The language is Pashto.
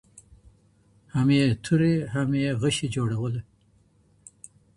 هم یې توري هم یې غشي جوړوله